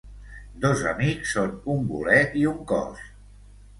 Dos amics són un voler i un cos.